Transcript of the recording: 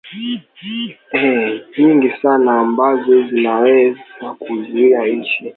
ee nyingi sana ambazo zinaweza kuuzwa nchi zaa za za za